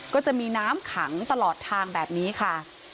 ก็จะมีน้ำขังตลอดทางแบบนี้ค่ะ